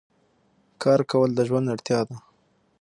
کار کول د ژوند اړتیا ده.